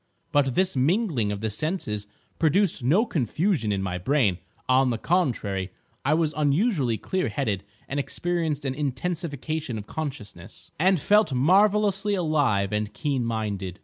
But this mingling of the senses produced no confusion in my brain. On the contrary, I was unusually clear headed and experienced an intensification of consciousness, and felt marvellously alive and keen minded.